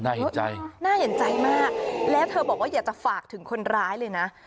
เห็นใจน่าเห็นใจมากแล้วเธอบอกว่าอยากจะฝากถึงคนร้ายเลยนะ